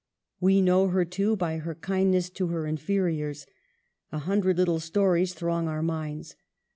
We know her, too, by her kind ness to her inferiors. A hundred little stories throng our minds.